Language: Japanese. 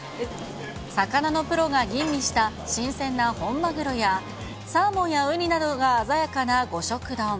魚のプロが吟味した新鮮な本マグロや、サーモンやウニなどが鮮やかな五色丼。